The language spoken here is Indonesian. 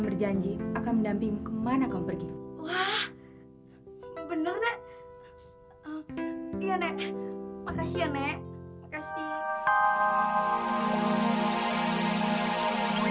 kau tahu kau bukti aku itu ketika kali k entitled sejak ibunya